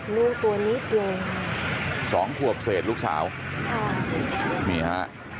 ลูกตัวนี้เดียวสองควบเศษลูกสาวอ๋อนี่ฮะ